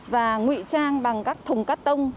và ngụy trang bằng các thùng cắt tông